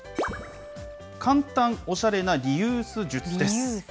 簡単おしゃれなリユース術です。